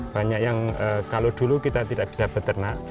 banyak yang kalau dulu kita tidak bisa beternak